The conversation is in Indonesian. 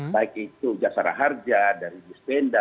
baik itu jasara harja dari dispenda